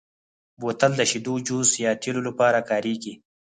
بوتل د شیدو، جوس، یا تېلو لپاره کارېږي.